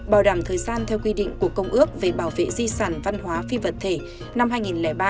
bảo đảm thời gian theo quy định của công ước về bảo vệ di sản văn hóa phi vật thể năm hai nghìn ba